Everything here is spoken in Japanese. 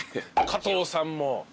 加藤さんも。